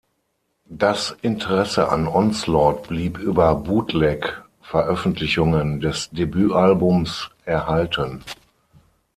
Das Interesse an Onslaught blieb über Bootleg-Veröffentlichungen des Debütalbums erhalten.